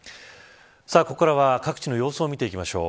ここからは各地の様子を見ていきましょう。